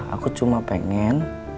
aku cuma pengen